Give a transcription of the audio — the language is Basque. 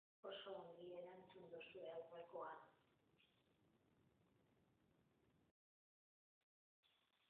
Oso ongi erantzun duzue aurrekoa.